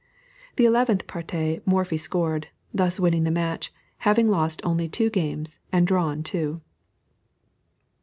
The eleventh partie Morphy scored, thus winning the match; having only lost two games and drawn two.